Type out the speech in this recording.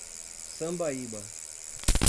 Sambaíba